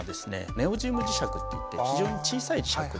ネオジム磁石っていって非常に小さい磁石です。